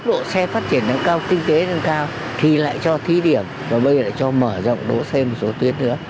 tốc độ xe phát triển nâng cao kinh tế nâng cao thì lại cho thí điểm và bây giờ lại cho mở rộng đỗ xe một số tuyến nữa